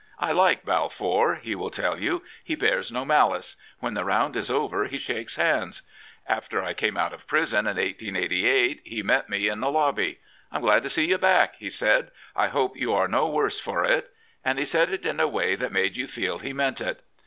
I like Balfour/' he will tell you. " He bears no malice. When the round is over he shakes hands. After I came out of prison in 1888 he met me in the lobby. * I'm glad to see you back,' he said. ' I hope you are no worse for it.' And he said it in a way that made you feel he meant it.